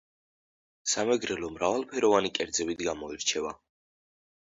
სამეგრელო მრავალფეროვანი კერძებით გამოირჩევა